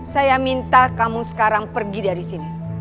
saya minta kamu sekarang pergi dari sini